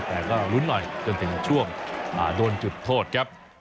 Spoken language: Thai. แต่ก็ลุ้นหน่อยจนถึงช่วงโดนจุดโทษครับ